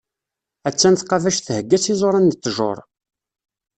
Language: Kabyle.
A-tt-an tqabact thegga s iẓuran n ṭṭjuṛ.